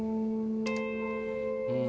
うん。